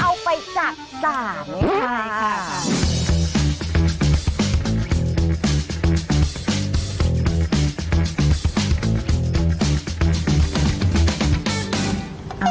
เอาไปจักษานะคะ